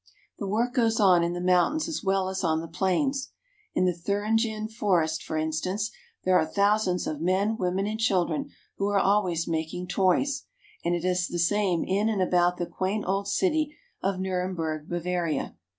The work goes on in the mountains as well as on the plains. In the Thuringian Forest, for instance, there are thousands of men, women, and children who are always making toys, and it is the same in and about the quaint old city of Nuremberg, Bavaria.